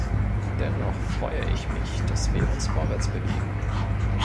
Dennoch freue ich mich, dass wir uns vorwärtsbewegen.